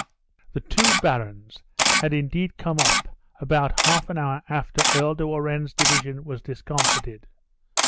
The two barons had indeed come up about half an hour after Earl de Warenne's division was discomfited.